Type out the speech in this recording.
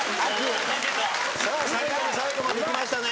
最後の最後までいきましたね。